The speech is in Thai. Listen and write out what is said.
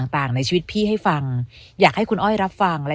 ต่างในชีวิตพี่ให้ฟังอยากให้คุณอ้อยรับฟังและ